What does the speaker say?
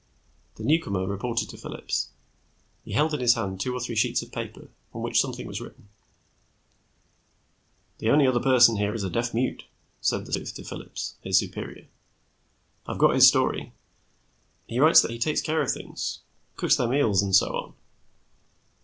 The newcomer reported to Phillips. He held in his hand two or three sheets of paper on which something was written. "The only other person here is a deaf mute," said the sleuth to Phillips, his superior. "I've got his story. He writes that he takes care of things, cooks their meals and so on.